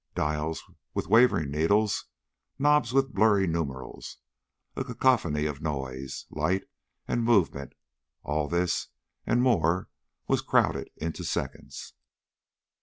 Dials with wavering needles ... knobs with blurry numerals ... a cacophony of noise, light and movement all this and more was crowded into seconds.